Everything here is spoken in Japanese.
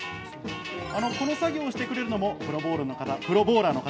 この作業をしてくれるのも、プロボウラーの方。